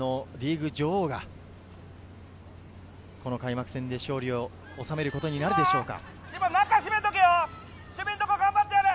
昨シーズンのリーグ女王が開幕戦で勝利を収めることになるのでしょうか。